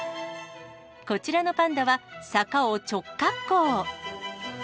こちらのパンダは、坂を直滑降。